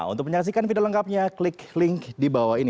untuk menyaksikan video lengkapnya klik link di bawah ini